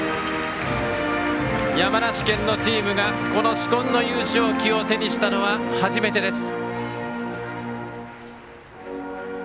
山梨県のチームがこの紫紺の優勝旗を手にしたのは、初めてです。